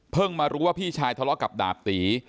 มารู้ว่าพี่ชายทะเลาะกับดาบตี